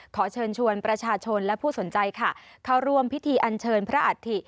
ขอเชิญชวนประชาชนและผู้สนใจค่ะเข้าร่วมพิธีอันเชิญพระอัฐิ